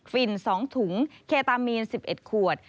ฝิ่น๒ถุงเคตามีน๑๑ขวด